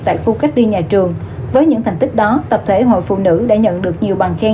tại khu cách ly nhà trường với những thành tích đó tập thể hội phụ nữ đã nhận được nhiều bằng khen